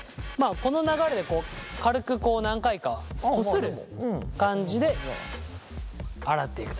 この流れでこう軽くこう何回かこする感じで洗っていくと。